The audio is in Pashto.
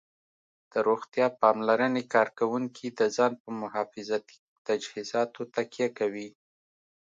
د روغتیا پاملرنې کارکوونکي د ځان په محافظتي تجهیزاتو تکیه کوي